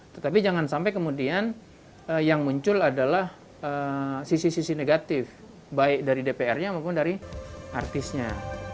tetapi jangan sampai kemudian yang muncul adalah sisi sisi negatif baik dari dpr nya maupun dari artisnya